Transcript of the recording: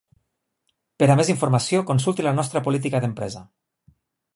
Per a més informació consulti la nostra Política d'empresa.